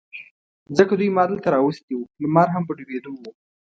ځکه دوی ما دلته را وستي و، لمر هم په ډوبېدو و.